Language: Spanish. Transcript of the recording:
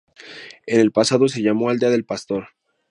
En el pasado se llamó Aldea del Pastor.